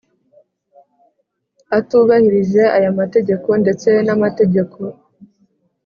Atubahirije aya mategeko ndetse n amategeko